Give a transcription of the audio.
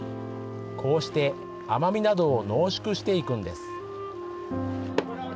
こうして甘みなどを濃縮していくんです。